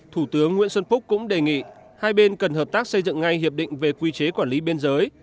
thủ tướng nguyễn xuân phúc cũng đề nghị hai bên cần hợp tác xây dựng ngay hiệp định về quy chế quản lý biên giới